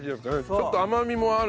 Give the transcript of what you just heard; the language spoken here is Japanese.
ちょっと甘みもある。